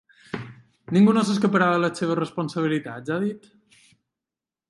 “Ningú no s’escaparà de les seves responsabilitats”, ha dit.